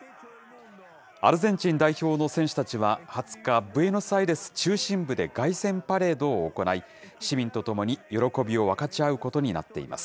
アルゼンチン代表の選手たちは２０日、ブエノスアイレス中心部で凱旋パレードを行い、市民と共に喜びを分かち合うことになっています。